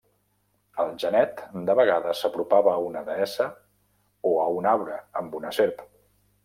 El genet de vegades s'apropava a una deessa o a un arbre amb una serp.